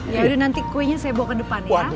yaudah nanti kuenya saya bawa ke depan ya